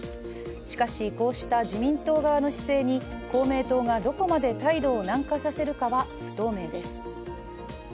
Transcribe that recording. しかし、こうした自民党側の姿勢に、公明党がどこまで態度を軟化させるかは不透明です。